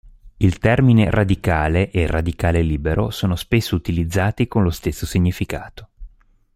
Il termine "radicale" e "radicale libero" sono spesso utilizzati con lo stesso significato.